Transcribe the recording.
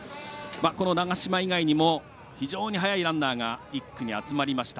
この長嶋以外にも非常に速いランナーが１区に集まりました。